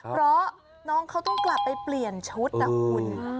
เพราะน้องเขาต้องกลับไปเปลี่ยนชุดนะคุณ